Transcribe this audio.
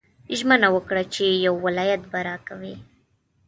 ژمنه وکړه چې یو ولایت به راکوې.